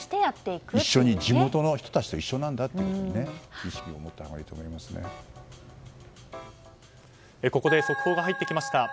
地元の人たちと一緒なんだという意識を持ったほうがここで速報が入ってきました。